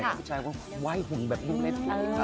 ผู้ชายว่าไวหุ่งแบบหุ้มแวด